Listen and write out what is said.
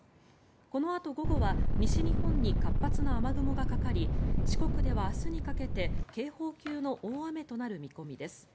このあと午後は西日本に活発な雨雲がかかり四国では明日にかけて警報級の大雨となる見込みです。